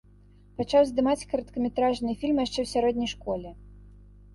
Пачаў здымаць кароткаметражныя фільмы яшчэ ў сярэдняй школе.